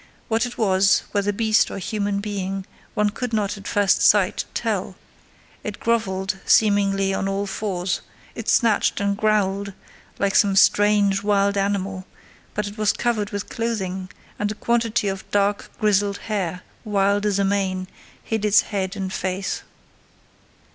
What it was, whether beast or human being, one could not, at first sight, tell: it grovelled, seemingly, on all fours; it snatched and growled like some strange wild animal: but it was covered with clothing, and a quantity of dark, grizzled hair, wild as a mane, hid its head and face.